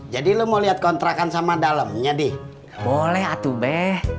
jadi lu mau lihat kontrakan sama dalemnya di boleh atuh bek